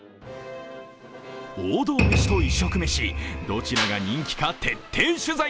王道メシと異色メシ、どちらが人気か、徹底取材。